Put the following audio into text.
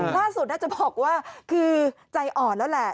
น่าจะบอกว่าคือใจอ่อนแล้วแหละ